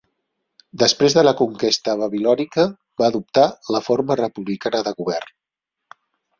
Després de la conquesta Babilònica va adoptar la forma republicana de govern.